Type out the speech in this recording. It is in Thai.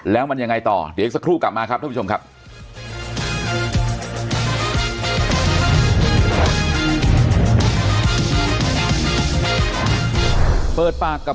แล้วมันยังไงต่อเดี๋ยวอีกสักครู่กลับมาครับท่านผู้ชมครับ